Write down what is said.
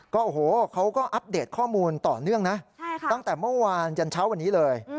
โอ้โหเขาก็อัปเดตข้อมูลต่อเนื่องนะตั้งแต่เมื่อวานยันเช้าวันนี้เลย